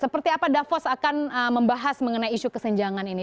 seperti apa davos akan membahas mengenai isu kesenjangan ini